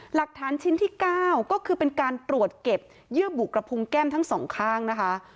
หลักฐานชิ้นที่๙ก็คือเป็นการตรวจเก็บเยื่อบุกระพุงแก้มทั้งสองข้างนะคะ